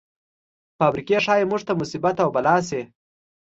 فابریکې ښايي موږ ته مصیبت او بلا شي.